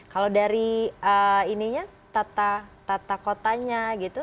kalau dari ini ya tata kotanya gitu